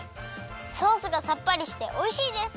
ソースがさっぱりしておいしいです！